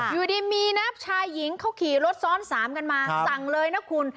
อยู่ดีมีนะชายหญิงเขาขี่รถซ้อนสามกันมาสั่งเลยนะคุณ